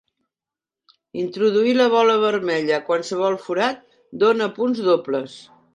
Introduir la bola vermella a qualsevol forat dona punts dobles.